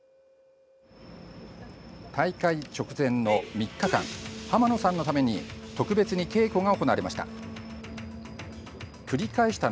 大会直前の３日間濱野さんのために特別に稽古が行われました。